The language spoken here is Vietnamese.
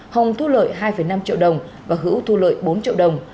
hồng thu lợi hai năm triệu đồng và hữu thu lợi bốn triệu đồng